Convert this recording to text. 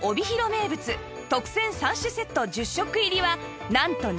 名物特選３種セット１０食入りはなんとなんと特別価格